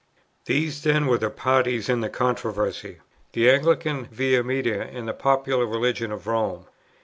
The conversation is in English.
These then were the parties in the controversy: the Anglican Via Media and the popular religion of Rome.